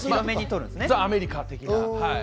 ザ・アメリカ的な。